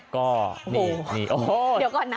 ก็นี่โอ้โหเดี๋ยวก่อนนะ